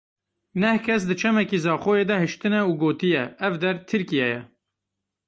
Neh kes di çemekî Zaxoyê de hiştine û gotiye; ev der Tirkiye ye.